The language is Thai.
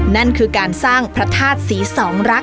นั่นคือการสร้างพระทาสสีสองรักค่ะ